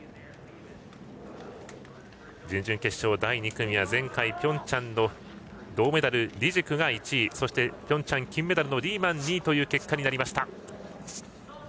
準々決勝第２組は前回ピョンチャンの銅メダルリジクが１位そして、ピョンチャン金メダルのリーマンが２位となりました。